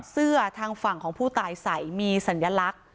เสื้อทางฝั่งของผู้ตายใส่มีสัญลักษณ์